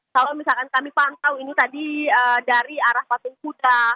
kalau misalkan kami pantau ini tadi dari arah patung kuda